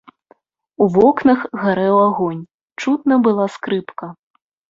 У вокнах гарэў агонь, чутна была скрыпка.